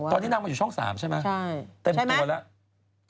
ตอนที่นั่งมาอยู่ช่อง๓ใช่ไหมเต็มตัวแล้วใช่ไหม